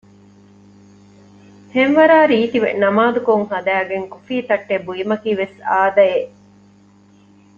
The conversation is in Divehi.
ފެންވަރާ ރީތިވެ ނަމާދުކޮށް ހަދައިގެން ކޮފީތައްޓެއް ބުއިމަކީ ވެސް އާދައެއް